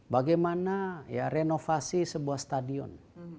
bagaimana ya renovasi sebuah stadion